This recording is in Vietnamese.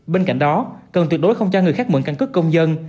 bên cạnh đó cần tuyệt đối không cho người khác mượn căn cước công dân